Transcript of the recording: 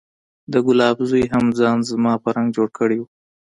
د ګلاب زوى هم ځان زما په رنګ جوړ کړى و.